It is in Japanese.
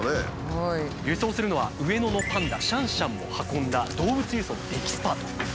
輸送するのは上野のパンダシャンシャンも運んだ動物輸送のエキスパート。